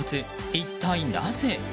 一体なぜ。